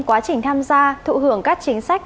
quá trình tham gia thụ hưởng các chính sách